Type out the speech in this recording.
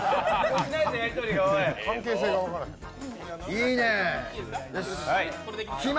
いいね！